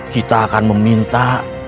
kita akan meminta